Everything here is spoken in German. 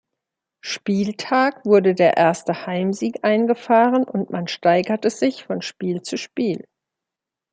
Spieltag wurde der erste Heimsieg eingefahren und man steigerte sich von Spiel zu Spiel.